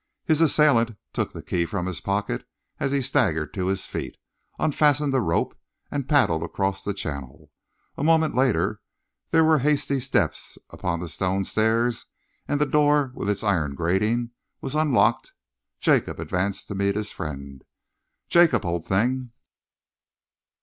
His assailant took the key from his pocket as he staggered to his feet, unfastened the rope and paddled across the channel. A moment later there were hasty steps upon the stone stairs and the door with its iron grating was unlocked. Jacob advanced to meet his friend. "Jacob, old thing!"